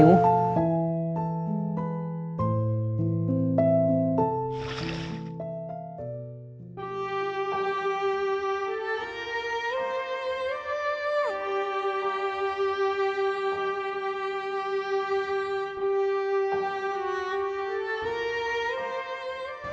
เต๋อเต๋อ